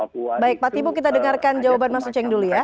pak timu kita dengarkan jawaban mas yucheng dulu ya